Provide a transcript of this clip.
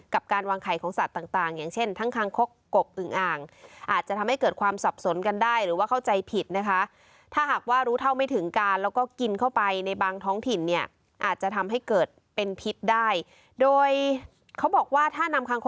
กับการวางไข่ของสัตว์ต่างอย่างเช่นทั้งคางคกกกอึงอ่าง